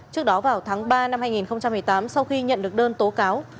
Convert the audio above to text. trước đó vào tháng ba năm hai nghìn một mươi tám sau khi nhận được đơn tố cáo